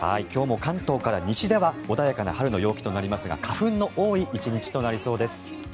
今日も関東から西では穏やかな春の陽気となりますが花粉の多い１日となりそうです。